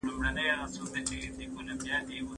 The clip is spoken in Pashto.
د شکرې ناروغي نه درکوي.